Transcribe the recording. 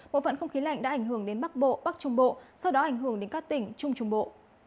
bộ phận không khí lạnh đã ảnh hưởng đến bắc bộ bắc trung bộ sau đó ảnh hưởng đến các tỉnh trung trung bộ